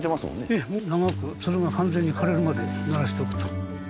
ええもう長くツルが完全に枯れるまで慣らしておくと。